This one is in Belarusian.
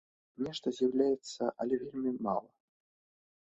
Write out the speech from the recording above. Нешта з'яўляецца, але вельмі мала.